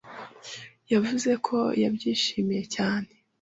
yavuze ko yabyishimiye cyane.